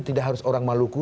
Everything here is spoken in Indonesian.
tidak harus orang maluku